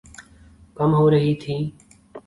کم ہو رہی تھِی